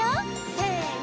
せの！